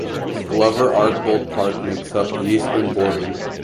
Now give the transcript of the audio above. Glover-Archbold Park makes up the eastern border.